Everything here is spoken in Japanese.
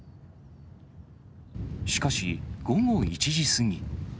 しかし、午後１時過ぎ。